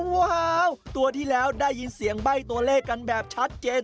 ว้าวตัวที่แล้วได้ยินเสียงใบ้ตัวเลขกันแบบชัดเจน